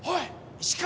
石川。